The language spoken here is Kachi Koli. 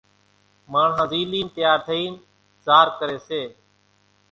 ماڻۿان زيلين تيار ٿئين زار ڪري سي،